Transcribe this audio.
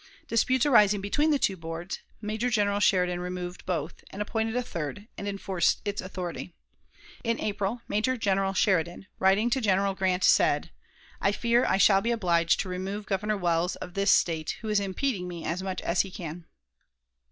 Disputes arising between the two boards, Major General Sheridan removed both, and appointed a third, and enforced its authority. In April, Major General Sheridan, writing to General Grant, said: "I fear I shall be obliged to remove Governor Wells, of this State, who is impeding me as much as he can."